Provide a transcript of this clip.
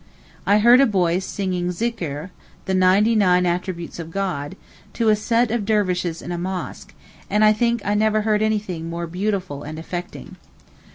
I heard a boy singing a Zikr (the ninety nine attributes of God) to a set of dervishes in a mosque, and I think I never heard anything more beautiful and affecting.